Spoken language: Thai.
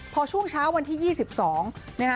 โปรดติดตามต่อไป